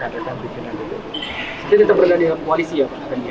jadi tetap berada di kualisi ya pak ketum p tiga ya